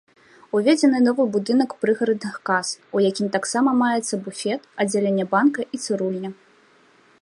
Уведзены новы будынак прыгарадных кас, у якім таксама маецца буфет, аддзяленне банка і цырульня.